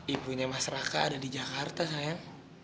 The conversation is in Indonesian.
ibunya mas raka ada di jakarta sayang